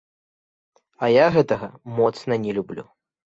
А я гэтага моцна не люблю.